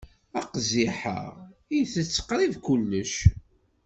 Aqziḥ-a itett qrib kullec.